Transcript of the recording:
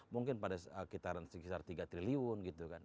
mungkin pada sekitar tiga triliun gitu kan